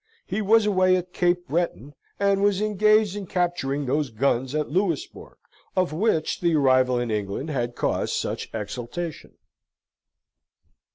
He was away at Cape Breton, and was engaged in capturing those guns at Louisbourg, of which the arrival in England had caused such exultation.